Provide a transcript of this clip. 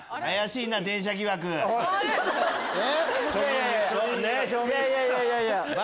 いやいやいやいや。